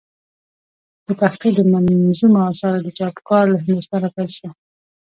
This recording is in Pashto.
د پښتو دمنظومو آثارو د چاپ کار له هندوستانه پيل سو.